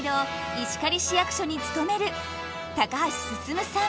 石狩市役所に勤める橋進さん